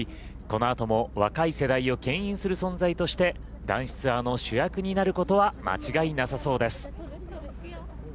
このあとも若い世代をけん引する存在として男子ツアーの主役になることは間違いなさそうです。